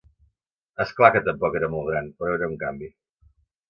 És clar que tampoc era molt gran, però era un canvi.